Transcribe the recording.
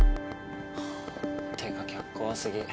ってか客怖すぎ。